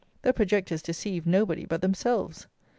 The projectors deceive nobody but themselves!